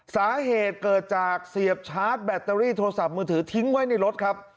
สาเหตุเกิดจากเสียบชาร์จแบตเตอรี่โทรศัพท์มือถือทิ้งไว้ในรถครับ